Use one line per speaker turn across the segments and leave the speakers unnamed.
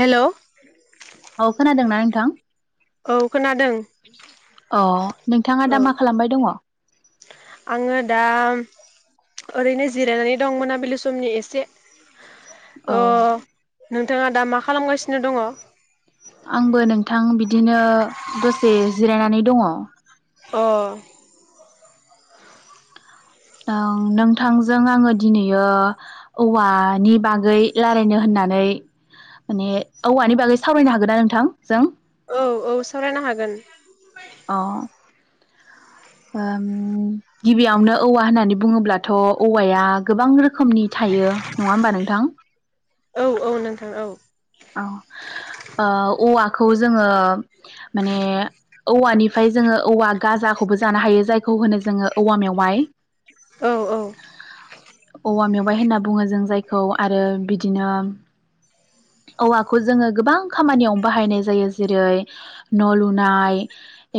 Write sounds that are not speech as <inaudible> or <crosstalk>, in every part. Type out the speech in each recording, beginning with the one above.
हेल'
औ खोनादोंना नोंथां?
औ खोनादों।
अ नोंथाङा
औ
दा मा खालामबाय दङ?
आङो दा ओरैनो जिरायनानै दं मोनाबिलि समनि एसे
औ
अ नोंथाङा दा मा खालामगासिनो दङ?
आंबो नोंथां बिदिनो दसे जिरायनानै दङ।
अ
नोंथांजों आङो दिनैयो औवानि बागै रायलायनो होननानै माने औवानि बागै सावरायनो हागोन ना नोंथां जों?
औ औ सावरायनो हागोन।
अ गिबियावनो औवा होननानै बुङोब्लाथ' औवाया गोबां रोखोम रोखोमनि थायो नङा होमबा नोंथां?
औ औ नोंथां औ।
ओ औवाखौ जोङो माने औवानिफ्राय जोङो औवा गाजाखौबो जानो हायो जायखौ होनो जोङो औवा मेवाइ।
औ औ
औवा मेवाइ होनना बुङो जों जायखौ आरो बिदिनो औवाखौ जोङो गोबां खामानियावनो बाहायनाय जायो। जेरै न' लुनाय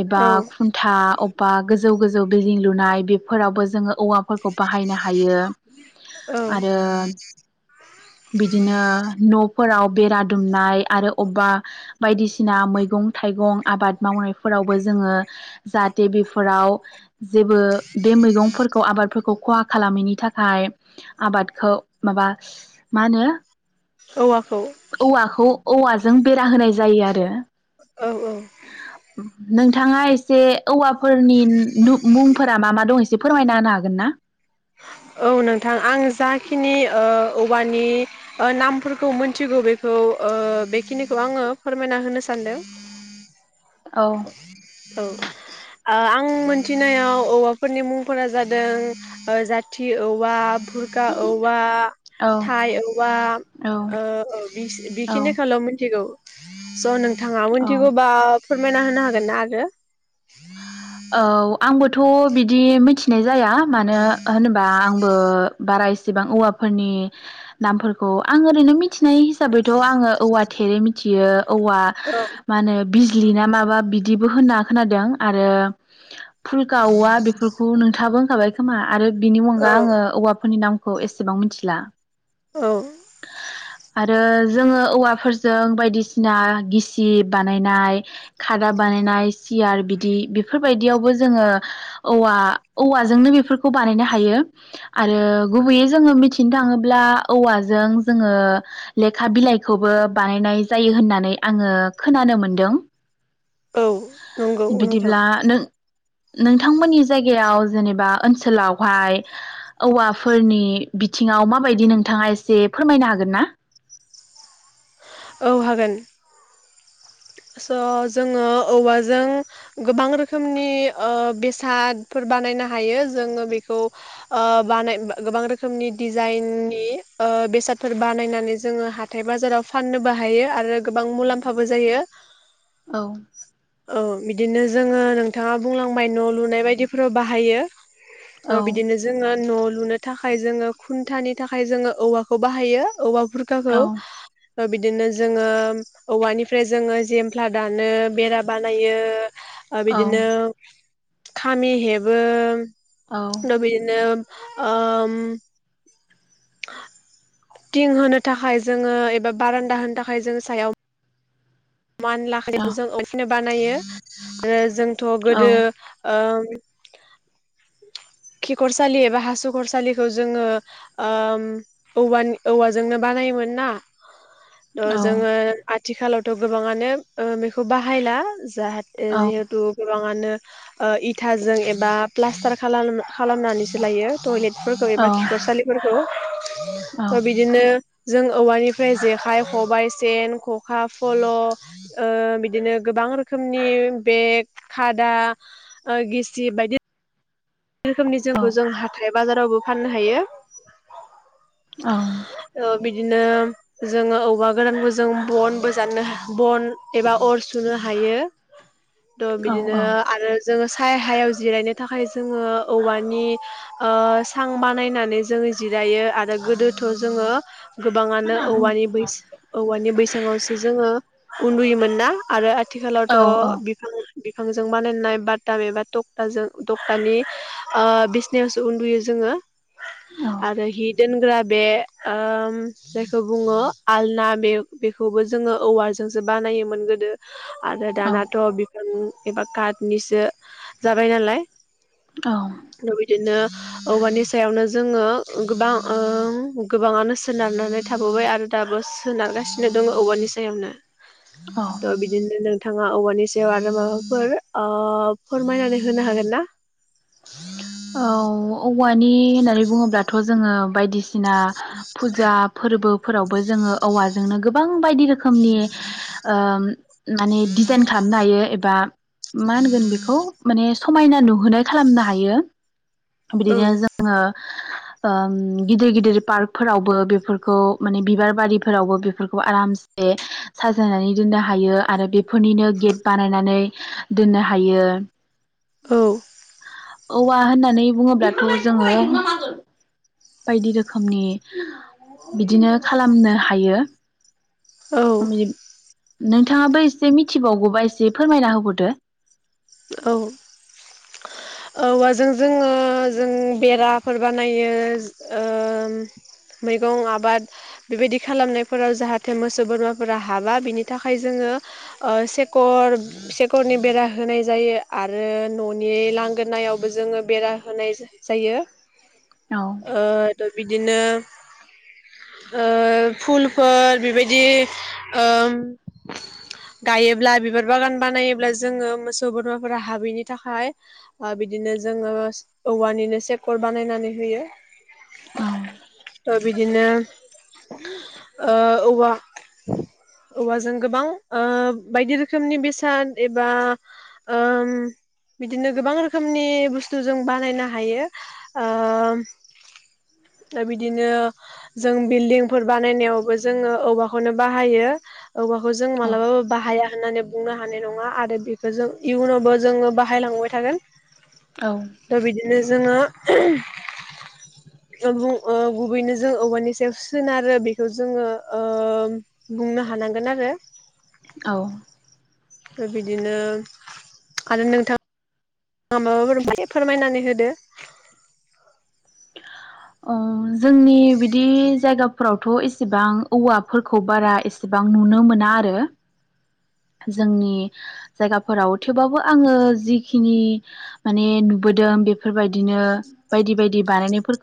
एबा
औ
खुन्था अबेबा गोजौ गोजौ जौ बिल्दिं लुनाय बेफोरावबो जोङो औवा फोरखौ बाहायनो हायो
औ
आरो बिदिनो न'फोराव बेरा दुमनाय आरो अबेबा बायदिसिना मैगं थाइगं मैगं आबाद मावनायफोरावबो जोङो जाहाथे बेफोराव जेबो बे मैगंफोरखौ आबादफोरखौ खहा खालामैनि थाखाय आबादखौ माबा मा होनो
औवाखौ
औवाखौ औवाजों बेरा होनाय जायो आरो
औ औ
नोंथाङा जे औवा फोरनि मुंफोरा मा मा दं एसे फोर फोरमायना होनो हागोन ना
औ नोंथां आं जाखिनि ओ औवानि ओ नामफोरखौ मोनथिगौ बेखौ ओ बेखिनिखौ आङो फोरमायना होनो सानदों
औ
औ ओ आं आं मोनथिनायाव औवाफोरनि मुंफोरा जादों ओ जाथि औवा खुरखा औवा
औ
थाइ औवा
औ
ओ बे
औ
बेखिनिखौल' मिथिगौ <unintelligible> थाङा
औ
मिनथिगौबा फोरमायना होनो हागोन ना? <unintelligible>
औ आंबो थ' बिदि मिथिनाय जाया मानो होनोबा आंबो बारा एसेबां औवाफोरनि नामफोरखौ आं ओरैनो मिथि नाय हिसाबैथ' आङो औवा थेरै मिथियो औवा
औ
मा होनो बि लि ना माबा बिदिबो होनना खोनादों आरो फुल गावा बेफोरखौ नोंथाङाबो खाबाय खोमा आरो बिनि मुगा
औ
आङो औवाफोरनि नाम खौ एसेबां मिथिला।
औ
आरो जोङो औवाफोरजों बायदिसिना गिसिब बानायनाय खादा बानायनाय सियार बि दि बेफोरबायदियावबो जोङो औवा औवाजोंनो बेफोरखौ बानायनो हायो आरो गुबैयै जोङो मिथिनो थाङोब्ला औवाजों जोङो लेखा बिलाइखौबो बानायनाय जायो होननानै आङो खोनानो मोनदों।
औ नंगौ नोंथां
बिदिब्ला नों नोंथांमोननि जायगायाव जेनेबा ओनसोलावहाय औवाफोरनि बिथिङाव माबायदि नोंथाङा एसे फोरमायनो हागोन ना?
औ हागोन स' जोङो औवाजों गोबां रोखोमनि ओ बेसादफोर बानायनो हायो जोङो बेखौ ओ बानाय गोबां रोखोमनि डिजाइननि ओ बेसादफोर बानायनानै जोङो हाथाय बाजाराव फाननोबो हायो आरो गोबां मुलाम्फाबो जायो।
औ
औ बि दिनो जोङो नोंथाङा बुंलांबाय न' लुनाय बायदिफोराव बाहायो। ओ
औ
बिदिनो जोङो न' लुनो थाखाय जोङो खुन्थानि थाखाय जोङो औवाखौ बाहायो औवा खुरखाखौ
औ
ओ बिदिनो जोङो औवानिफ्राय जोङो जेमफ्ला दानो बेरा बानायो। ओ
औ
बिदिनो खामि हेबो। द बिदिनो ओम। <unintelligible> थिं होनो थाखाय जोङो एबा बारान्दा होनो थाखाय जोङो सायाव मान लाखनायखौ जों ओखिनो बानायो आरो जों थ' गोदो ओम- <unintelligible> खिखरसालि एबा हासु खरसालिखौ जोङो औवानि औवाजोंनो बानायोमोन ना। थ जोङो थिखालावथ' गोबाङानो ओ बेखौ बाहायला। जाहाथे जिहेतु गोबाङानो ओ इथाजों एबा फ्लास्टार खालाम खालामनानैसो लायो टयलेट फोरखौ एबा खिख'रसालिफोरखौ। थ बिदिनो जों औवानिफ्राय जेखाइ खबायाइ सेन खखा फल' बिदिनो गोबां रोखोमनि बेग खादा गिसि बायदिना। बे रोखोमनि जोंखौ जों हाथाय बाजारावबो फाननो हायो।
औ।
ओ बिदिनो जोङो औवा गोरानबो जों बनबो जनो बन एबा अर सुनो हायो। त' बिदिनो आरो। जोङो साय हायाव जिरायनो थाखाय जोङो औवानि सां बानायनानै जोङो जिरायो आरो गोदोथ' जोङो गोबाङानो औवानि बै औवानि बैसङावसो जोङो उन्दुयोमोन ना आरो आथिखालावथ' बिफां बिफांजों बानायनाय बाताम एबा तकताजों मानि ओ बिसनायावसो उन्दुयो जोङो आरो हि दोनग्रा बे ओम जायखौ बुङो आलना बे बेखौबो जोङो औवारजोंसो बानायोमोन गोदो आरो दानाथ' बिफांनि एबा कार्निसो जाबाय नालाय बेबादिनो औवानि सायावनो जोङो गोबां ओ गोबाङानो सोनारनानै थाबोबाय आरो दाबो सोनारगासिनो दङ औवानि सायावनो। दा बिदिनो नोंथाङा औवानि सायाव आरो माबाफोर ओ फोरमायनानै होनो हागोन ना? <inaudible>
औ औवानि होननानै बुङोब्लाथ' जोङो बायदि सिना फुजा फोरबोफोरावबो जोङो औवाजोंनो गोबां बायदि रोखोमनि ओम माने दिजाइन खालामनो हायो एबा मा होनगोन बेखौ ओम समायना नुनाय खालामनो हायो।
औ
बिदिनो जोङो ओम गिदिर गिदिर पार्कफोरावबो बेफोरखौ माने बिबार बारिफोरावबो बेफोरखौ आरामसे साजायनानै दोननो हायो आरो बेफोरनिनो गेट बानायनानै दोननो हायो।
औ।
औवा होननानै बुङोब्लाथ' जोङो बायदि रोखोमनि बिदिनो खालामनो हायो।
औ
<unintelligible> नोंथाङाबो एसे मिथिबावगौबा एसे फोरमायना होबावदो।
औ, औवाजों जोङो जों बेराफोर बानायो ओ मैगं आबाद बेबायदि खालामनायफोराव जाहाथे मोसौ बोरमाफोरा हाबा बिनि थाखाय जोङो सेकर सेकरनि बेरा होनाय जायो आरो न'नि लांगोनायावबो जोङो बेरा होनाय जायो।
औ
ओ <unintelligible> बिदिनो ओ फुलफोर बेबायदि ओ गायोब्ला बिबार बागान बानायोब्ला जोङो मोसौ बोरमाफोरा हाबैनि थाखाय आ बिदिनो जोङो औवानिनो सेकर बानायनानै होयो। ओ बिदिनो ओ औवा औवाजों गोबां ओ बायदि रोखोमनि बेसाद एबा ओम बिदिनो गोबां रोखोमनि बुस्थु जों बानायनो हायो। ओ बिदिनो जों बिल्डिंफोर बानायनायावबो जोङो औवाखौनो बाहायो। औवाखौ जों
औ
मालाबाबो बाहाया होननानै बुंनो हानाय नङा आरो बे खौ जों इयुनावबो जोङो बाहायलांबाय थागोन।
औ
दा बिदिनो जोङो गु ओ गुबैनो जों औवानि सायाव सोनारो बेखौ जोङो ओ बुंनो हानांगोन आरो ।
औ।
बिदिनो आरो नोंथां माबाफोर फोरमायनानै होदो।
अह जोंनि बिदि जायगा फोरावथ' एसेबां औवाफोरखौ बारा एसेबां नुनो मोना आरो जोंनि जायगाफोराव थेवबाबो आङो जिखिनि माने नुबोदों बेफोरबायदिनो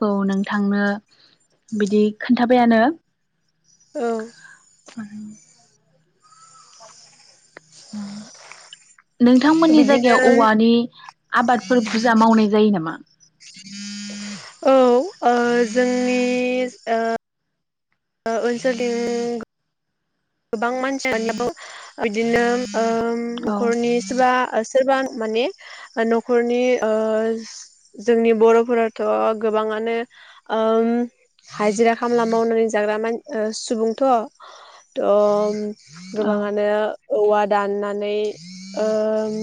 खौ नोंथांनो बिदि खोन्थाबायानो
औ
आरो नाव नोंथांमोननि
बिदिनो
जायगायाव औवानि आबादफोर बुरजा मावनाय जायो नामा?
औ ओ जोंनि ओ ओ ओनसोलथिं गोबां मानसियानो बिदिनो ओम
औ
न'खरनि सोरबा ओ सोरबा माने न'खरनि ओ जोंनि बर'फोराथ' गोबाङानो ओम हाजिरा-खामला मावनानै जाग्रा मान सुबुंथ'। दम
औ
गोबाङानो औवा दाननानै ओम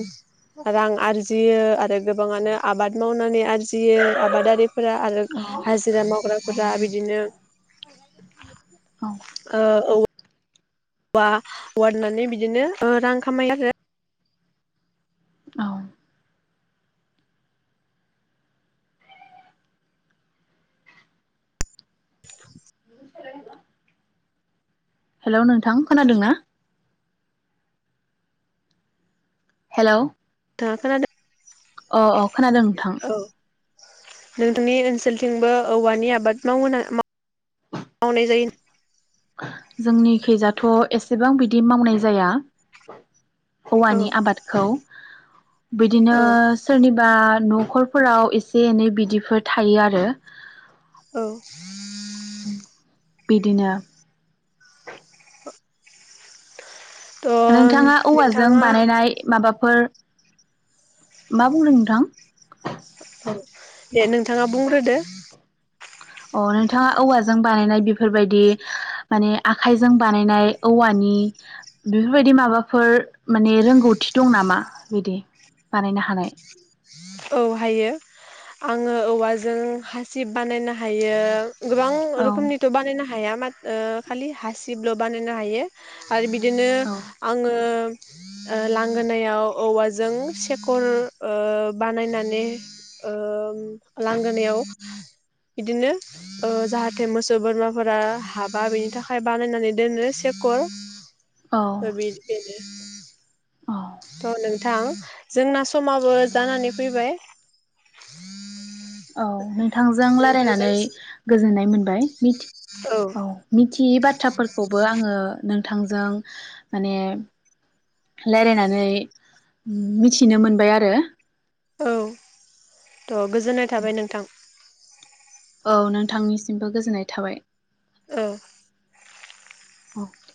रां आरजियो आरो गोबाङानो आबाद मावनानै आरजियो आबादारि फोरा आरो
औ
हाजिरा मावग्राफोरा बिदिनो
औ
ओ-औ औवा औवादाननानै बिदिनो ओ रां खामायो आरो ।
औ <unintelligible> हेलौ नोंथां खोनादों ना? हेलौ
नोंथाङा खोनादो
अ-अ खोनादों नोंथां ।
नोंथांनि ओनसोलथिंबो औवानि आबाद मावोना माव-मावनाय जायो
जोंनि खैजाथ' एसेबां बिदि मावनाय जाया ।
औ
हौवानि आबादखौ । बिदिनो
औ
सोरनिबा न'खरफोराव एसे एनै बिदिफोर थायो आरो
औ
बिदिनो
<inaudible> थ'
नोंथाङा औवाजों
नोंथाङा
बानायनाय माबाफोर मा बुंदों नोंथां
औ दे नोंथाङा बुंग्रोदो
अ नोंथाङा औवाजों बानायनाय बेफोरबायदि माने आखाइजों बानायनाय औवानि बेफोरबायदि माबाफोर माने रोंगौथि दं नामा बिदि बानायनो हानाय
औहायो आङो औवाजों हासिब बानायनो हायो गोबां
औ
रोखोमनिथ' बानायनो हा हाया ओ खालि हासिबल' बानायनो हायो आरो बि दिनो
औ
आङो लांगोनायाव औवाजों सेखर ओ बानायनानै ओ लांगोनायाव बिदिनो ओ जाहाथे मोसौ बोरमाफोरा हाबा बेनि थाखाय बानायनानै दोनो सेकर बेनो
औ
<inaudible> थ नों थां जोंना समाबो जानानै फैबाय
औ नोंथांजों रायलायनानै
नोंथांजों
गोजोननाय मोन बाय मिथ औ मिथियै बाथ्राफोरखौबो आङो नों थांजों माने रायलायनानै मिथिनो मोनबाय आरो
औ थ' गोजोननाय थाबाय नोंथां
औ नोंथांनिसिमबो गोजोननाय थाबाय
औ
औे